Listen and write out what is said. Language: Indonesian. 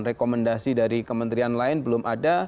rekomendasi dari kementerian lain belum ada